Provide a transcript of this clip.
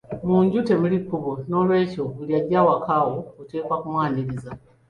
Mu nju temuli kkubo, n'olwekyo buli ajja awaka wo oteekwa okumwaniriza.